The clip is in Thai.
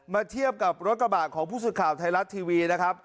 เทียบกับรถกระบะของผู้สื่อข่าวไทยรัฐทีวีนะครับ